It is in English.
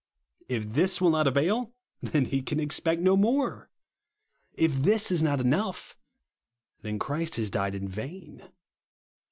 If this will not avail, then he can expect no more. If this is not enough, then Christ has died in vain.